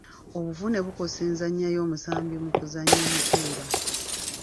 Obuvune bukosa enzannya y'omusambi mu kuzannya omupiira.